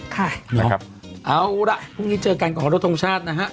ค่ะนะครับเอาล่ะพรุ่งนี้เจอกันขอรบทรงชาตินะฮะ